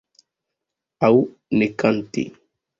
Aŭ ne kanti.